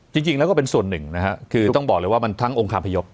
จริงแล้วก็เป็นส่วนหนึ่งนะฮะคือต้องบอกเลยว่ามันทั้งองคาพยพ